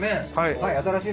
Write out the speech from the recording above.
はい。